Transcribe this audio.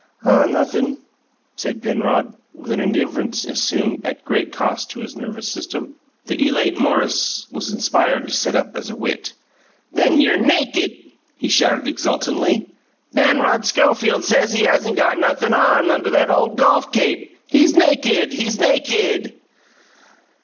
"Oh, nothin'," said Penrod, with an indifference assumed at great cost to his nervous system. The elate Maurice was inspired to set up as a wit. "Then you're nakid!" he shouted exultantly. "Penrod Schofield says he hasn't got nothin' on under that ole golf cape! He's nakid! He's nakid."